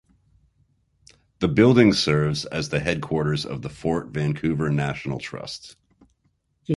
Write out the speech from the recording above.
The building serves as the headquarters of the Fort Vancouver National Trust.